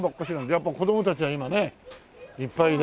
やっぱ子供たちは今ねいっぱいで。